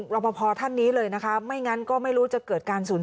รอปภท่านนี้เลยนะคะไม่งั้นก็ไม่รู้จะเกิดการสูญ